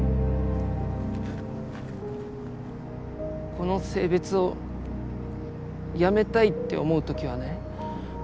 この性別をやめたいって思う時はね